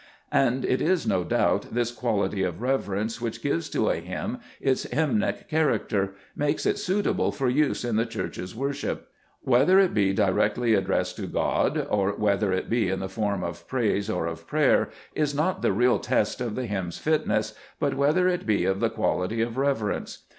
And it is, no doubt, this quality of reverence which gives to a hymn its hymnic character, makes it suitable for use in the Church's wor ship. Whether it be directly addressed to God, or whether it be in the form of praise or of prayer, is not the real test of the hymn's fitness, but whether it be of the quality of reverence.